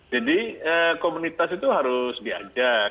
jadi komunitas itu harus diajak